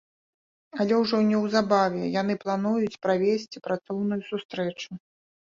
Але ўжо неўзабаве яны плануюць правесці працоўную сустрэчу.